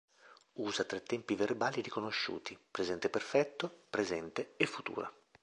Usa tre tempi verbali riconosciuti: presente perfetto, presente, e futuro.